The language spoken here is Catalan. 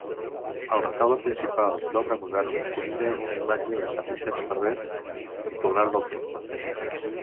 El retaule principal, d'obra moderna, conté una imatge de Sant Vicent Ferrer, titular del temple.